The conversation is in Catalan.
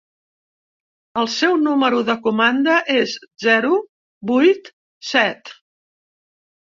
El seu número de comanda és zero vuit set.